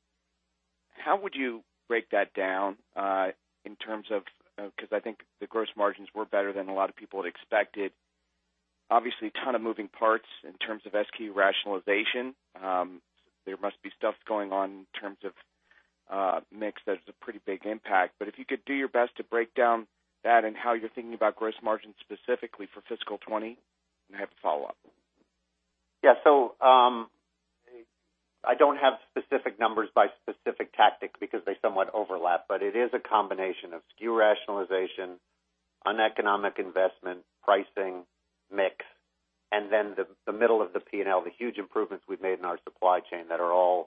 how would you break that down because I think the gross margins were better than a lot of people had expected. Obviously, ton of moving parts in terms of SKU rationalization. There must be stuff going on in terms of mix that has a pretty big impact. If you could do your best to break down that and how you're thinking about gross margin specifically for fiscal 2020. I have a follow-up. I don't have specific numbers by specific tactic because they somewhat overlap, but it is a combination of SKU rationalization, uneconomic investment, pricing, mix, and then the middle of the P&L, the huge improvements we've made in our supply chain, the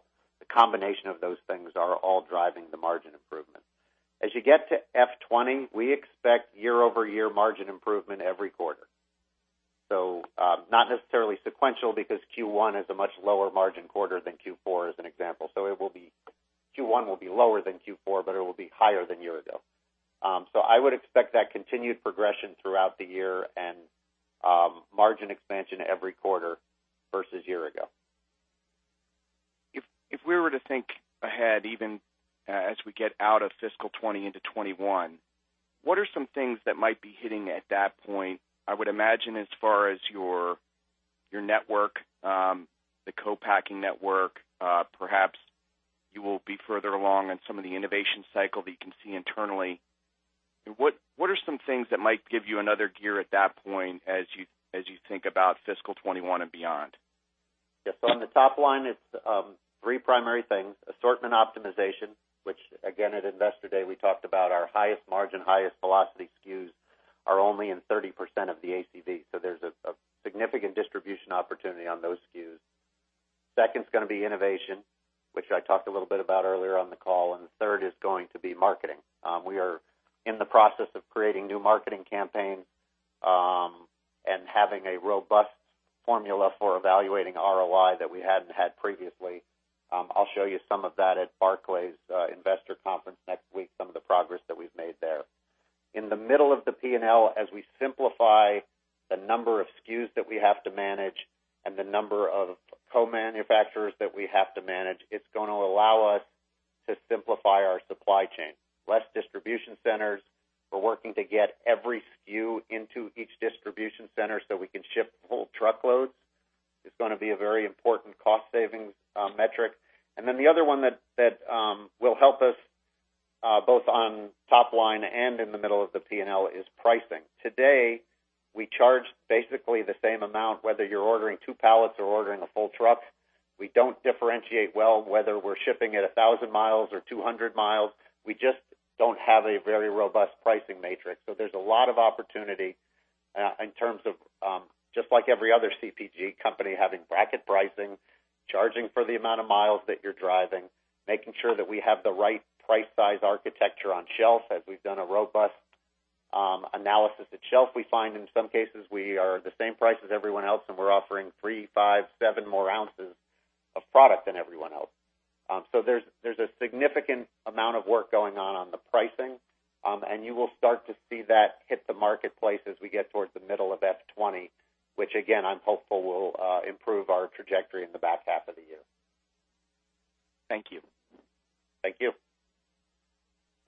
combination of those things are all driving the margin improvement. As you get to FY 2020, we expect year-over-year margin improvement every quarter. Not necessarily sequential because Q1 is a much lower margin quarter than Q4, as an example. Q1 will be lower than Q4, but it will be higher than a year ago. I would expect that continued progression throughout the year and margin expansion every quarter versus a year ago. If we were to think ahead, even as we get out of fiscal 2020 into 2021, what are some things that might be hitting at that point? I would imagine as far as your network, the co-packing network, perhaps you will be further along on some of the innovation cycle that you can see internally. What are some things that might give you another gear at that point as you think about fiscal 2021 and beyond? Yes. On the top line, it's three primary things. Assortment optimization, which again, at Investor Day, we talked about our highest margin, highest velocity SKUs are only in 30% of the ACV. There's a significant distribution opportunity on those SKUs. Second's going to be innovation, which I talked a little bit about earlier on the call, and the third is going to be marketing. We are in the process of creating new marketing campaigns and having a robust formula for evaluating ROI that we hadn't had previously. I'll show you some of that at Barclays Global Consumer Staples Conference next week, some of the progress that we've made there. In the middle of the P&L, as we simplify the number of SKUs that we have to manage and the number of co-manufacturers that we have to manage, it's going to allow us to simplify our supply chain. Less distribution centers. We're working to get every SKU into each distribution center so we can ship whole truckloads. It's going to be a very important cost savings metric. The other one that will help us both on top line and in the middle of the P&L is pricing. Today, we charge basically the same amount, whether you're ordering two pallets or ordering a full truck. We don't differentiate well whether we're shipping it 1,000 miles or 200 miles. We just don't have a very robust pricing matrix. There's a lot of opportunity in terms of just like every other CPG company, having bracket pricing, charging for the amount of miles that you're driving, making sure that we have the right price size architecture on shelf as we've done a robust analysis at shelf. We find in some cases we are the same price as everyone else, and we're offering three, five, seven more ounces of product than everyone else. There's a significant amount of work going on on the pricing. You will start to see that hit the marketplace as we get towards the middle of FY 2020, which again, I'm hopeful will improve our trajectory in the back half of the year. Thank you. Thank you.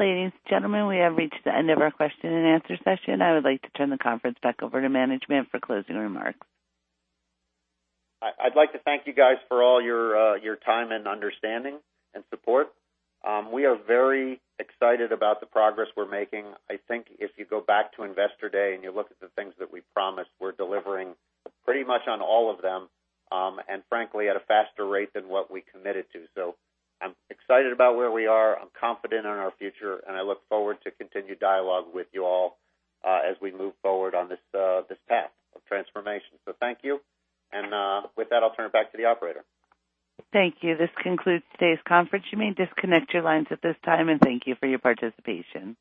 Ladies, gentlemen, we have reached the end of our question and answer session. I would like to turn the conference back over to management for closing remarks. I'd like to thank you guys for all your time and understanding and support. We are very excited about the progress we're making. I think if you go back to Investor Day and you look at the things that we promised, we're delivering pretty much on all of them. Frankly, at a faster rate than what we committed to. I'm excited about where we are. I'm confident in our future, and I look forward to continued dialogue with you all as we move forward on this path of transformation. Thank you. With that, I'll turn it back to the operator. Thank you. This concludes today's conference. You may disconnect your lines at this time, and thank you for your participation.